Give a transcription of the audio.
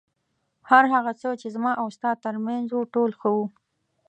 هر هغه څه چې زما او ستا تر منځ و ټول ښه وو.